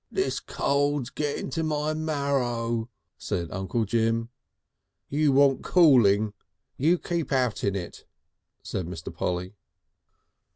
"This cold's getting to my marrer!" said Uncle Jim. "You want cooling. You keep out in it," said Mr. Polly.